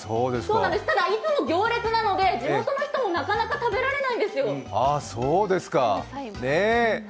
ただ、いつも行列なので、地元の人もなかなか食べられないんですよ。